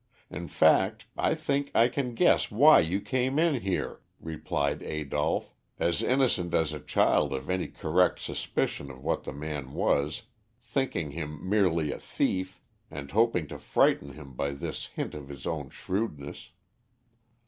In fact, I think I can guess why you came in here," replied Adolph, as innocent as a child of any correct suspicion of what the man was, thinking him merely a thief, and hoping to frighten him by this hint of his own shrewdness.